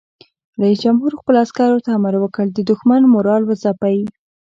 رئیس جمهور خپلو عسکرو ته امر وکړ؛ د دښمن مورال وځپئ!